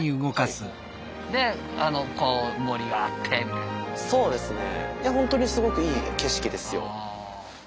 いや本当にすごくいい景色ですよ。